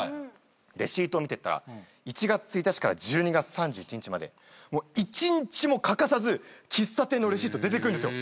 レシート見てったら１月１日から１２月３１日まで１日も欠かさず喫茶店のレシート出てくるんですよ。